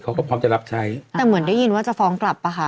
เขาก็พร้อมจะรับใช้แต่เหมือนได้ยินว่าจะฟ้องกลับป่ะคะ